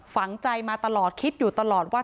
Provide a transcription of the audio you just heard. ฝังใจมาตลอดคิดอยู่ตลอดว่า